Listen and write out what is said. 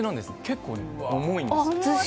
結構重いんです。